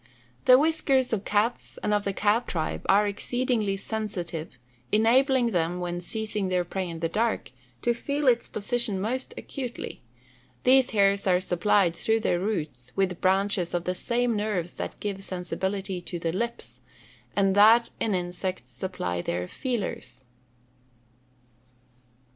_ The whiskers of cats, and of the cat tribe, are exceedingly sensitive, enabling them, when seizing their prey in the dark, to feel its position most acutely. These hairs are supplied, through their roots, with branches of the same nerves that give sensibility to the lips, and that in insects _supply their "feelers."